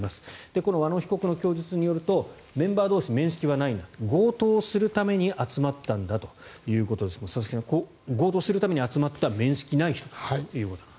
この和野被告の供述によるとメンバー同士、面識はなく強盗をするために集まったんだということですが佐々木さん強盗するために集まった面識がない人たちということです。